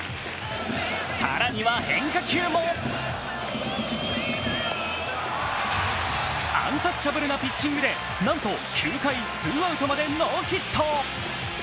更には変化球もアンタッチャブルなピッチングでなんと９回ツーアウトまでノーヒット。